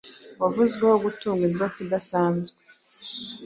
wavuzweho gutunga inzoka idasanzwe